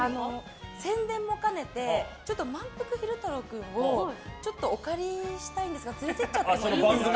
宣伝も兼ねてまんぷく昼太郎君をちょっとお借りしたいんですが連れて行ってもいいですか？